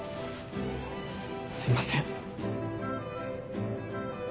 すいません。